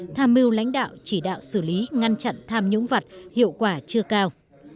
tham mưu lãnh đạo chỉ đạo xử lý ngăn chặn tham nhũng vặt hiệu quả chưa cao